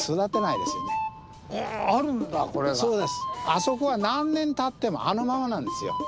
あそこは何年たってもあのままなんですよ。